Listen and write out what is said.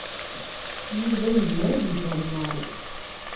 Yuba yezmer ad yefhem Mary.